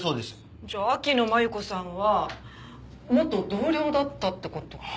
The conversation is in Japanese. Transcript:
じゃあ秋野繭子さんは元同僚だったって事か。